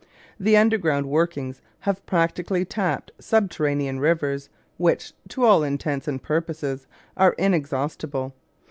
The underground workings have practically tapped subterranean rivers which, to all intents and purposes, are inexhaustible.